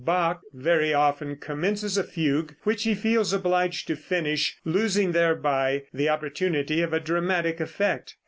Bach very often commences a fugue which he feels obliged to finish, losing thereby the opportunity of a dramatic effect.